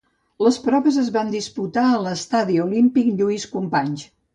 Les proves es van disputar a l'Estadi Olímpic Lluís Companys.